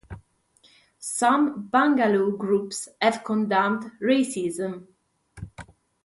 Some boogaloo groups have condemned racism.